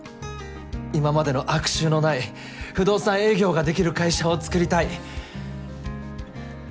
今までの悪習のない不動産営業ができる会社を作りたい。